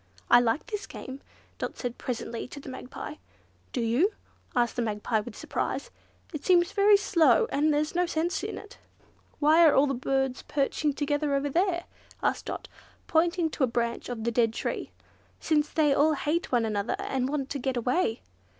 "I like this game," Dot presently said to the Magpie. "Do you?" said the Magpie with surprise. "It seems to me very slow, and there's no sense in it." "Why are the birds all perching together over there?" asked Dot, pointing to a branch of the dead tree, "since they all hate one another and want to get away.